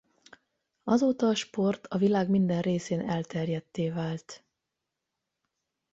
Azóta a sport a világ minden részén elterjedtté vált.